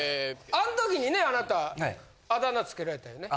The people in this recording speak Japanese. あん時にねあなたあだ名つけられたよね？